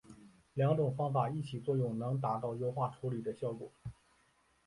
两种方法一起作用能达到优化处理的效果。